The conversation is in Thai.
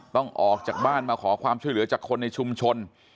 ออกจากบ้านมาขอความช่วยเหลือจากคนในชุมชน